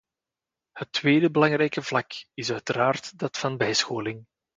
Het tweede belangrijke vlak is uiteraard dat van bijscholing.